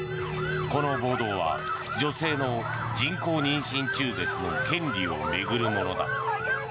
この暴動は女性の人工妊娠中絶の権利を巡るものだ。